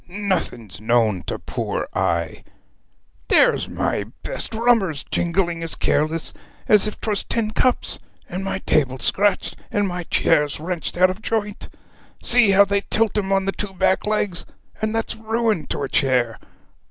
'Nothing's known to poor I! There's my best rummers jingling as careless as if 'twas tin cups; and my table scratched, and my chairs wrenched out of joint. See how they tilt 'em on the two back legs and that's ruin to a chair!